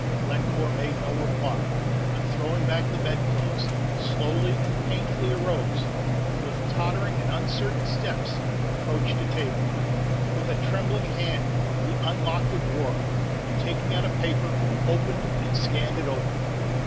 Glencore made no reply, but, throwing back the bedclothes, slowly and painfully arose, and with tottering and uncertain steps approached a table. With a trembling hand he unlocked a drawer, and taking out a paper, opened and scanned it over.